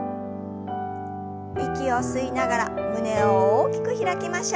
息を吸いながら胸を大きく開きましょう。